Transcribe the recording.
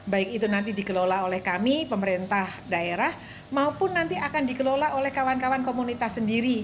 baik itu nanti dikelola oleh kami pemerintah daerah maupun nanti akan dikelola oleh kawan kawan komunitas sendiri